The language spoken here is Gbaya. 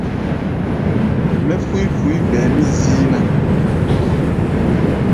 Mɛ́ fú̧í̧ fu̧í̧ ɓɛɛ mí zíí ná.